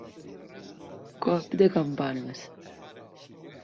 Cop de campanes.